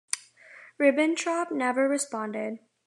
Ribbentrop never responded.